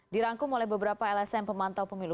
dirangkum oleh beberapa lsm pemantau pemilu